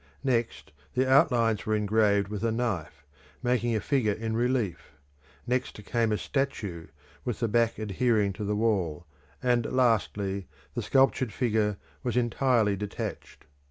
Next the outlines were engraved with a knife, making a figure in relief. Next came a statue with the back adhering to the wall, and lastly the sculptured figure was entirely detached.